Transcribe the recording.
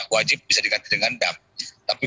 wajib bisa dikati dengan dam tapi